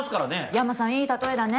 山さんいい例えだね。